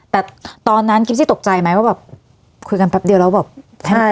แต่ตอนนั้นกิฟซี่ตกใจไหมว่าแบบคุยกันแป๊บเดียวแล้วแบบใช่